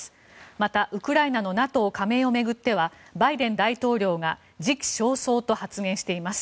また、ウクライナのＮＡＴＯ加盟を巡ってはバイデン大統領が時期尚早と発言しています。